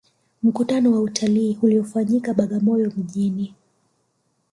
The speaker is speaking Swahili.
mkutano wa utalii uliyofanyikia bagamoyo mjini